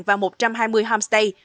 và một trăm hai mươi homestay